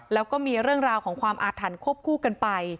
แล้วก็มีเรื่องราวของความอาถรรพ์ควบคู่กันไป